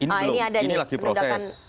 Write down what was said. ini lagi proses